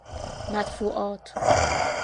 مدفوعات